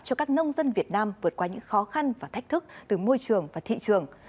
cho các nông dân việt nam vượt qua những khó khăn và thách thức từ môi trường và thị trường